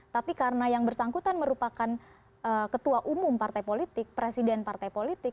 tapi karena yang bersangkutan merupakan ketua umum partai politik presiden partai politik